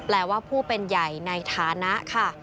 ว่าผู้เป็นใหญ่ในฐานะค่ะ